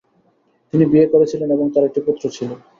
তিনি বিয়ে করেছিলেন এবং তার একটি পুত্র ছিল।